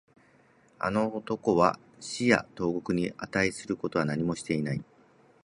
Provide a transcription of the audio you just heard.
あの男は死や投獄に値することは何もしていない